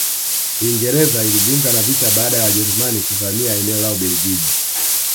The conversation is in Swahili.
Uingereza ilijiunga na vita baada ya Wajerumani kuvamia eneo la Ubelgiji